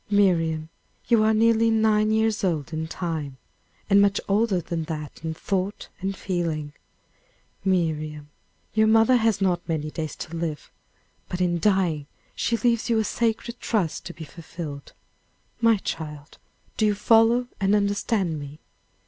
"Miriam, you are nearly nine years old in time, and much older than that in thought and feeling. Miriam, your mother has not many days to live; but in dying, she leaves you a sacred trust to be fulfilled. My child, do you follow and understand me?"